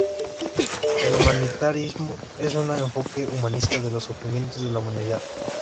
El humanitarismo es un enfoque humanista de los sufrimientos de la humanidad.